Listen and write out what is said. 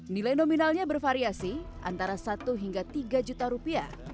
nilai nominalnya bervariasi antara satu hingga tiga juta rupiah